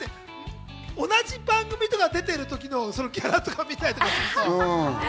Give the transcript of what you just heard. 同じ番組とかに出てる時のギャラとか見たりとか。